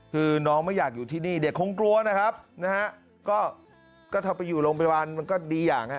คือน้องไม่อยากอยู่ที่นี่เด็กคงกลัวนะครับนะฮะก็ถ้าไปอยู่โรงพยาบาลมันก็ดีอย่างฮะ